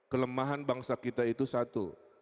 kelemahan bangsa kita itu satu